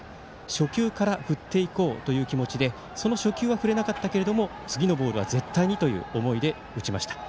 初球から振っていこうという気持ちでその初球は触れなかったけど次のボールは絶対という思いで打ちました。